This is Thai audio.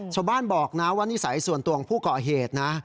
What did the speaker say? ชาวบ้านบอกนะว่านิสัยส่วนตัวของผู้ก่อเหตุนะ